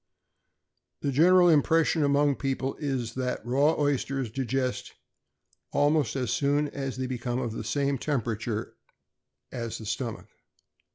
The general impression among the people is, that raw oysters digest almost as soon as they become of the same temperature of the stomach.